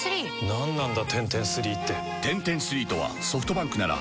何なんだ